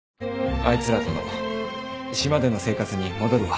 あいつらとの島での生活に戻るわ。